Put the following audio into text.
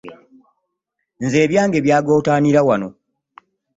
Nze ebyange byagootaanira wano.